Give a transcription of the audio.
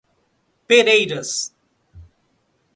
Pereiras